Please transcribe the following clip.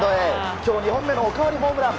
今日２本目のおかわりホームラン！